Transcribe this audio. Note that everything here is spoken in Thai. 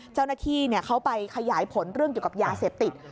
เจ้าหน้าที่เขาไปขยายผลเรื่องเกี่ยวกับยาเสพติด